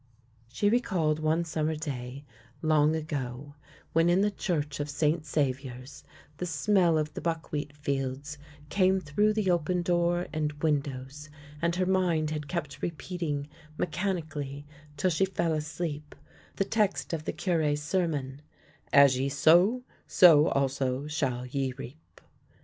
She recalled one summer day long ago, when, in the Church of St. Saviour's, the smell of the buckwheat fields came through the open door and windows, and her mind had kept repeating mechanically, till she fell asleep, the text of the Cure's sermon —" As ye sow, so also shall ye reap."